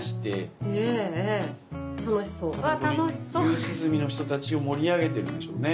夕涼みの人たちを盛り上げてるんでしょうね。